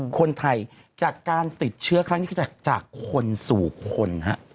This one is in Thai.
คนไทยจากการติดเชื้อครั้งนี้คือจากคนสู่คนฮะ